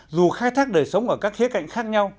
dù khai thác đời sống ở các khía cạnh khác nhau